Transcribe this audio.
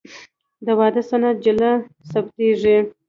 د واده سند جلا ثبتېږي.